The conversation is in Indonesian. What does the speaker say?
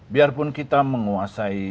biarpun kita menguasai